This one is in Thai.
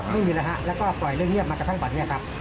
ไม่มีแล้วฮะแล้วก็ปล่อยเรื่องเงียบมากระทั่งบัตรนี้ครับ